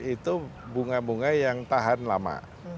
itu bunga bunga yang tahan lama